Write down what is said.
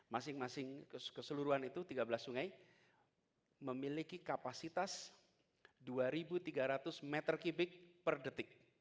masing masing keseluruhan itu tiga belas sungai memiliki kapasitas dua tiga ratus m tiga per detik